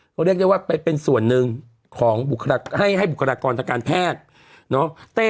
เขาเรียกจะว่าไปเป็นส่วนหนึ่งของบุคลาคให้บุคลากรรมการแพทย์เนอะ